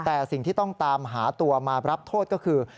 แต่สิ่งที่ต้องตามหาตัวมารับโทษก็คือ